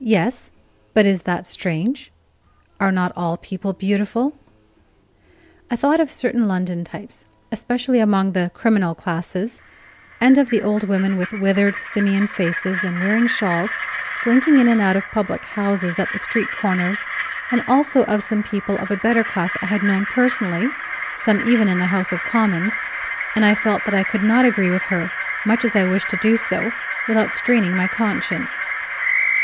"Yes; but is that strange are not all people beautiful?" I thought of certain London types, especially among the "criminal classes," and of the old women with withered, simian faces and wearing shawls, slinking in or out of public houses at the street corners; and also of some people of a better class I had known personally some even in the House of Commons; and I felt that I could not agree with her, much as I wished to do so, without straining my conscience.